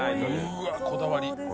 うわあこだわり！